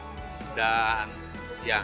dan ya ini kena berkait dengan kementerian pertanian